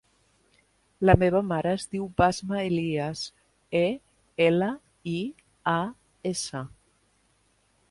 La meva mare es diu Basma Elias: e, ela, i, a, essa.